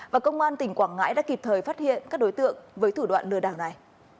và công an tỉnh quảng ngãi đã kịp thời phát hiện các đối tượng với thủ đoạn lừa đảo này